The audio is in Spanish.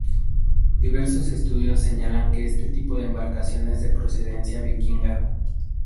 Diversos estudios señalan que este tipo de embarcación es de procedencia vikinga.